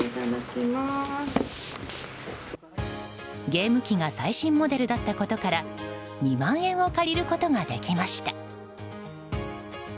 ゲーム機が最新モデルだったことから２万円を借りることができました。